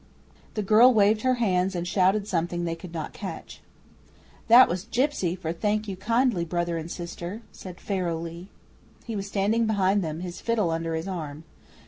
The girl waved her hands and shouted something they could not catch. 'That was gipsy for "Thank you kindly, Brother and Sister,"' said Pharaoh Lee. He was standing behind them, his fiddle under his arm.